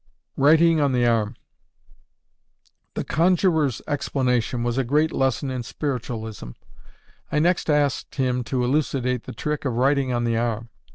Writing on the Arm. The conjurer's explanation was a great lesson in "spiritualism." I next asked him to elucidate the trick of writing on the arm.